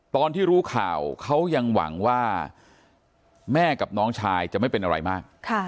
ตอนที่รู้ข่าวเขายังหวังว่าแม่กับน้องชายจะไม่เป็นอะไรมาก